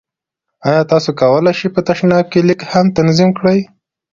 ایا تاسو کولی شئ په تشناب کې لیک هم تنظیم کړئ؟